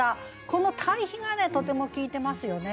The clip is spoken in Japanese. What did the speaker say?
この対比がとても効いてますよね。